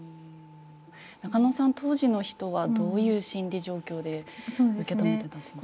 中野さん当時の人はどういう心理状況で受け止めてたと思いますか。